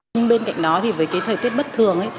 nhưng bên cạnh đó thì với cái thời tiết bất thường ấy